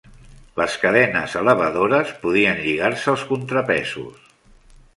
Les cadenes elevadores podien lligar-se als contrapesos.